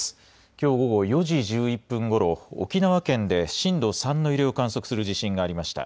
きょう午後４時１１分ごろ、沖縄県で震度３の揺れを観測する地震がありました。